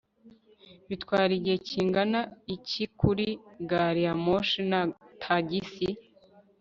bitwara igihe kingana iki kuri gari ya moshi na tagisi